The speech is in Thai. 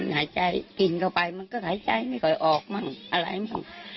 หายใจกินเค้าไปมันก็หายใจไม่ค่อยออกฮึ้ก